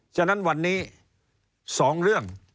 ฉะนั้นวันนี้๒เรื่อง